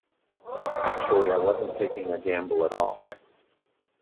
Actually, I wasn't taking a gamble at all.